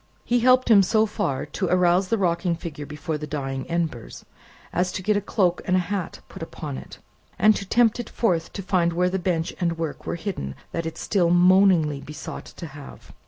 He helped him so far to arouse the rocking figure before the dying embers, as to get a cloak and hat put upon it, and to tempt it forth to find where the bench and work were hidden that it still moaningly besought to have.